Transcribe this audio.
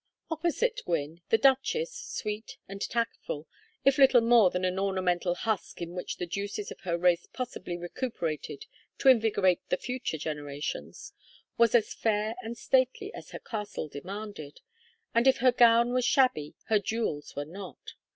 Opposite Gwynne, the duchess, sweet and tactful, if little more than an ornamental husk in which the juices of her race possibly recuperated to invigorate the future generations, was as fair and stately as her castle demanded; and if her gown was shabby her jewels were not.